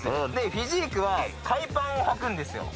フィジークは海パンをはくんですよ